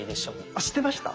あ知ってました？